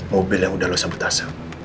mobil yang udah lo sabotase